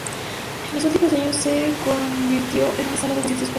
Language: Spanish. En los últimos años se convirtió en una sala de conciertos populares.